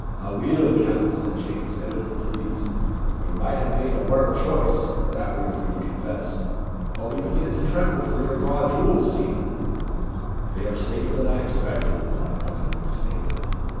"Aweel, Count," said James, evidently pleased, "ye might hae made a waur choice that we are free to confess. We begin to tremble for your braw jewels, Steenie." "They are safer than I expected," replied Buckingham, disdainfully.